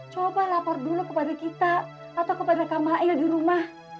coba lapor dulu kepada kita atau kepada kamail di rumah